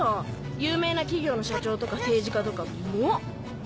有名な企業の社長とか政治家とかもう！